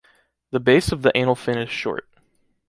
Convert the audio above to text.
The base of the anal fin is short.